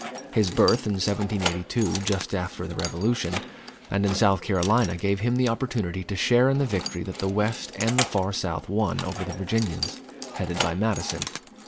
His birth in 1782 just after the Revolution, and in South Carolina, gave him the opportunity to share in the victory that the West and the far South won over the Virginians, headed by Madison.